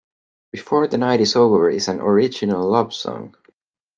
Before the Night is Over is an original love song.